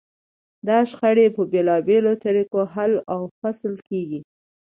دا شخړې په بېلابېلو طریقو حل و فصل کېږي.